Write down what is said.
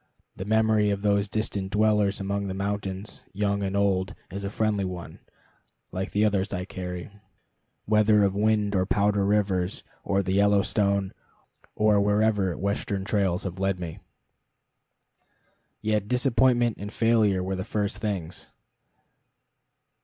The memory of those distant dwellers among the mountains, young and old, is a friendly one, like the others I carry, whether of Wind or Powder Rivers, or the Yellowstone, or wherever Western trails have led me. Yet disappointment and failure were the first things.